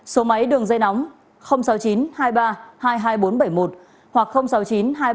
số máy đường dây nóng sáu mươi chín hai mươi ba hai mươi hai bốn trăm bảy mươi một hoặc sáu mươi chín hai mươi ba hai mươi một sáu trăm sáu mươi bảy